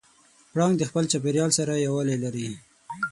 پړانګ د خپل چاپېریال سره یووالی لري.